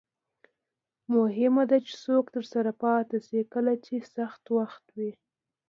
مهمه ده چې څوک درسره پاتې شي کله چې سخت وخت وي.